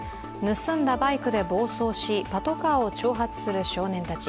盗んだバイクで暴走し、パトカーを挑発する少年たち。